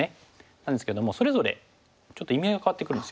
なんですけどもそれぞれちょっと意味合いが変わってくるんですよ。